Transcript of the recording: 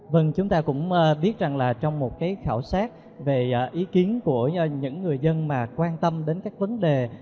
vâng chúng ta cũng biết rằng là trong một cái khảo sát về ý kiến của những người dân mà quan tâm đến các vấn đề